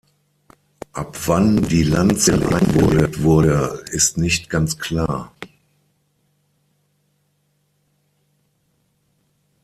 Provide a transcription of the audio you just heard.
Ab wann die Lanze eingelegt wurde, ist nicht ganz klar.